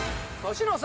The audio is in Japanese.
年の差！